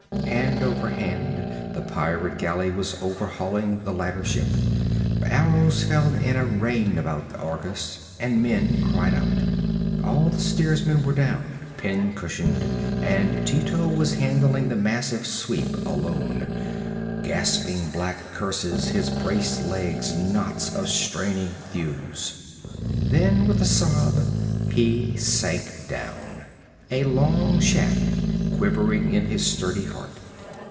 Hand over hand the pirate galley was overhauling the lighter ship. Arrows fell in a rain about the Argus, and men cried out. All the steersmen were down, pincushioned, and Tito was handling the massive sweep alone, gasping black curses, his braced legs knots of straining thews. Then with a sob he sank down, a long shaft quivering in his sturdy heart.